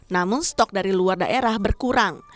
namun stok dari luar daerah berkurang